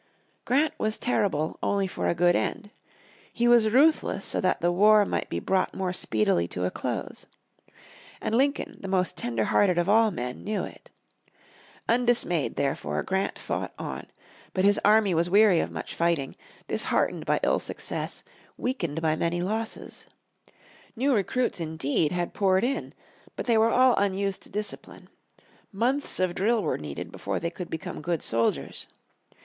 Grant was terrible only for a good end. He was ruthless so that the war might be brought the more speedily to a close. And Lincoln, the most tender hearted of all men, knew it. Undismayed therefore Grant fought on. But his army was weary of much fighting, disheartened by ill success, weakened by many losses. New recruits indeed had been poured into. But they were all unused to discipline. Months of drill were needed before they could become good soldiers.